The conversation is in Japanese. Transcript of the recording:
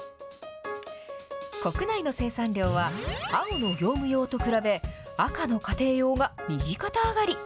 国内の生産量は、青の業務用と比べ、赤の家庭用が右肩上がり。